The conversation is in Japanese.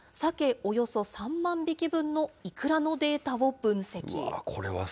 およそ３万匹分のイクラのデータを分析。